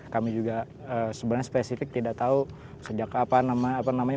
kami juga sebenarnya spesifik tidak tahu sejak apa namanya